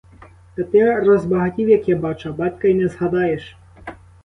Та ти розбагатів, як я бачу, а батька й не згадаєш.